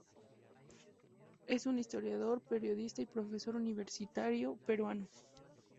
Es un historiador, periodista y profesor universitario peruano.